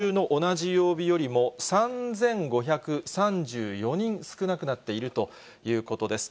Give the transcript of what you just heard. これは先週の同じ曜日よりも３５３４人少なくなっているということです。